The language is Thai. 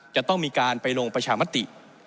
จะต้องมีการไปลงประชามติ